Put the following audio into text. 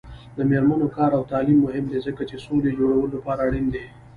د میرمنو کار او تعلیم مهم دی ځکه چې سولې جوړولو لپاره اړین دی.